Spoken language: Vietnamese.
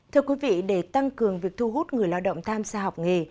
thưa quý vị để tăng cường việc thu hút người lao động tham gia học nghề